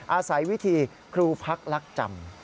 อาศัยวิธีครูพักลักจำ